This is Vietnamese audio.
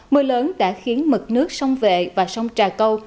mưa lớn đã khiến mực nước sông vệ và sông trà câu